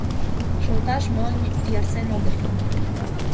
Шолташ монь ярсен огытыл.